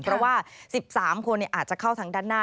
เพราะว่า๑๓คนอาจจะเข้าทางด้านหน้า